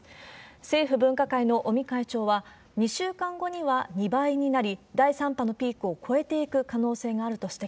政府分科会の尾身会長は、２週間後には２倍になり、第３波のピークを超えていく可能性があると指摘。